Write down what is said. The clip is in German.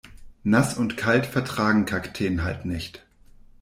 Nass und kalt vertragen Kakteen halt nicht.